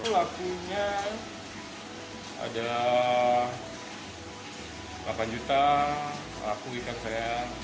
lakunya ada delapan juta laku ikat saya